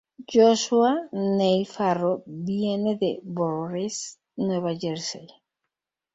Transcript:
Joshua Neil Farro viene de Voorhees, Nueva Jersey.